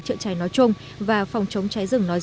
chữa cháy nói chung và phòng chống cháy rừng nói chung